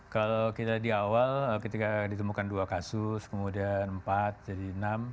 kalau kita di awal ketika ditemukan dua kasus kemudian empat jadi enam